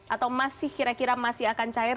atau masih kira kira masih akan cair